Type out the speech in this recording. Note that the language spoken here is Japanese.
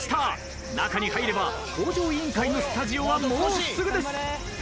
中に入れば『向上委員会』のスタジオはもうすぐです。